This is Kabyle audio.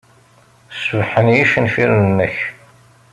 Cebḥen yicenfiren-nnek.